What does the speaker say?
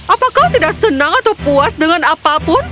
apakah kau tidak senang atau puas dengan apapun